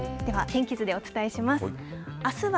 では、天気図でお伝えします。